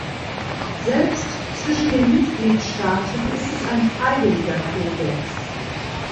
Selbst zwischen den Mitgliedstaaten ist es ein freiwilliger Kodex.